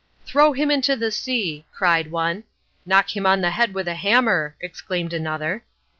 "Throw him into the sea!" cried one. "Knock him on the head with a hammer," exclaimed another.